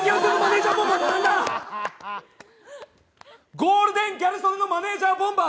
ゴールデンギャル曽根のマネージャーボンバーは？